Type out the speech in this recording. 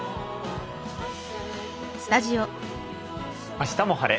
「あしたも晴れ！